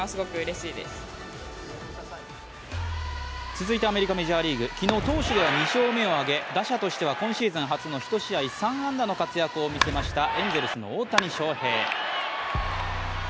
続いてアメリカ・メジャーリーグ昨日、投手では２勝目を挙げ打者としては今シーズン初の１試合３安打の活躍を見せましたエンゼルスの大谷翔平。